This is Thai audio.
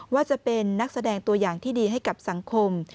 ว่าจะเป็นนักแสดงตัวอย่างที่ดีให้กับสังคม